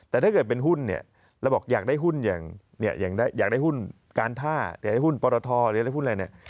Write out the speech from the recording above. แต่ถ้าเกิดเป็นหุ้นเนี่ยเราบอกอยากได้หุ้นอย่างอยากได้หุ้นการท่าอยากได้หุ้นปรทหรือได้หุ้นอะไรเนี่ย